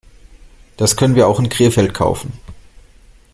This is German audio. Das können wir auch in Krefeld kaufen